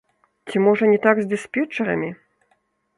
Ці можа, не так з дыспетчарамі?